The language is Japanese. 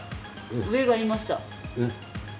上がいました。